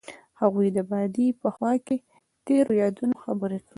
هغوی د باد په خوا کې تیرو یادونو خبرې کړې.